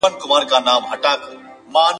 دا خطر به قبلوي چي محوه کیږي ..